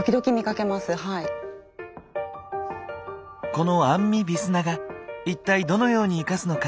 このアンミ・ビスナガ一体どのように生かすのか？